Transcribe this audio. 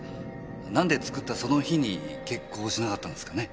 何で作ったその日に決行しなかったんすかね？